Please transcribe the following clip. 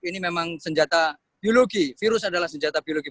ini memang senjata biologi virus adalah senjata biologi